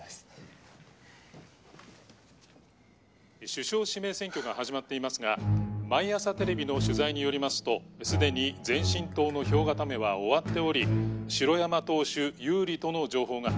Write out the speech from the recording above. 「首相指名選挙が始まっていますが毎朝テレビの取材によりますとすでに前進党の票固めは終わっており城山党首有利との情報が」